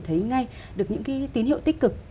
thấy ngay được những tín hiệu tích cực